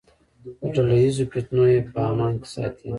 له ډله ییزو فتنو یې په امان کې ساتي.